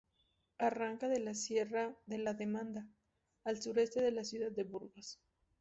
Arranca de la Sierra de la Demanda, al sureste de la ciudad de Burgos.